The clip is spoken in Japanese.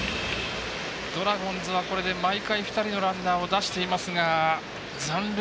ドラゴンズはこれで毎回２人のランナーを出していますが残塁